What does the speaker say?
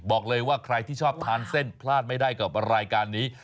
บอกเลยว่าใครที่ชอบทานเส้นพลาดไม่ได้กับรายการนี้